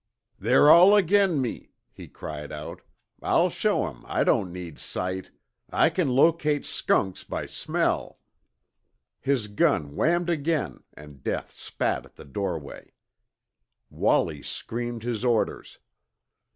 "They're all ag'in me," he cried out. "I'll show 'em I don't need sight! I can locate skunks by smell." His gun whammed again, and death spat at the doorway. Wallie screamed his orders.